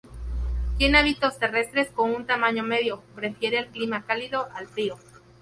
Tiene hábitos terrestres con un tamaño medio, prefiere el clima cálido al frío.